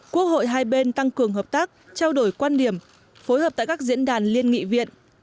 quốc hội hai bên tăng cường hợp tác trao đổi quan điểm phối hợp tại các diễn đàn liên nghị viện